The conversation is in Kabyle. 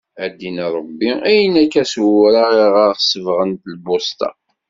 A ddin Ṛebbi ayen akka s uwraɣ i aɣ-sebɣen lbusṭa.